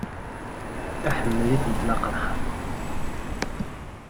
Iḥemmel ifelfel aqerḥan.